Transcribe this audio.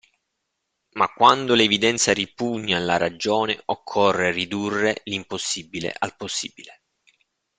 Ma quando l'evidenza ripugna alla ragione, occorre ridurre l'impossibile al possibile.